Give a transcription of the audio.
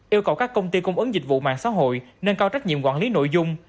yêu cầu các công ty cung ứng dịch vụ mạng xã hội nên cao trách nhiệm quản lý nội dung